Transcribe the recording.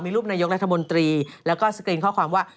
รูปนายกรัฐมนตรีแล้วก็สกรีนข้อความว่า